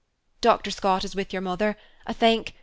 "Dr. Scott is with your mother, I think.